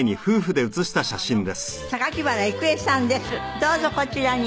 どうぞこちらに。